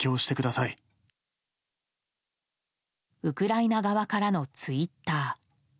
ウクライナ側からのツイッター。